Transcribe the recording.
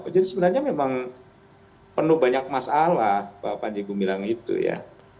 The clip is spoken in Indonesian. jadi sebenarnya memang penuh banyak masalah pak panji gumilang itu ya